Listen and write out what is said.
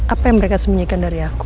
apa yang mereka sembunyikan dari aku